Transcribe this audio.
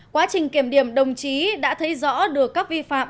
quá trình kiểm điểm đồng chí đã thấy rõ được các vi phạm